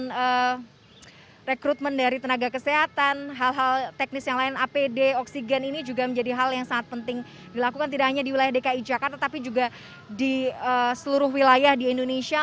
jadi rekrutmen dari tenaga kesehatan hal hal teknis yang lain apd oksigen ini juga menjadi hal yang sangat penting dilakukan tidak hanya di wilayah dki jakarta tapi juga di seluruh wilayah di indonesia